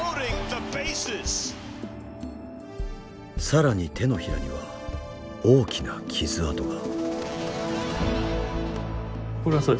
更に手のひらには大きな傷痕が。